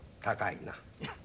高いな。